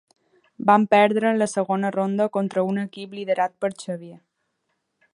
Van perdre en la segona ronda contra un equip liderat per Xavier.